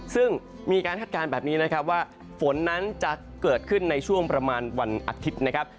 ซึ่งมีการคาดการณ์แบบนี้นะครับว่าฝนนั้นจะเกิดขึ้นในช่วงประมาณวันอาทิตย์นะครับ